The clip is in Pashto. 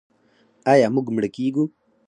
آیا موږ مړه کیږو؟